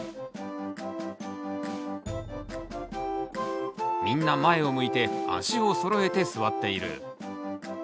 こちらはみんな前を向いて足をそろえて座っている。